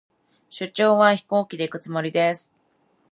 出張は、飛行機で行くつもりです。